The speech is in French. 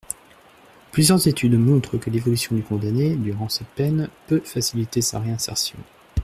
Plusieurs études montrent que l’évolution du condamné durant sa peine peut faciliter sa réinsertion.